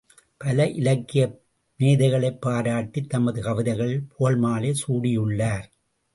பல இலக்கிய மேதைகளைப் பாராட்டித் தமது கவிதைகளில் புகழ்மாலை சூட்டியுள்ளார்.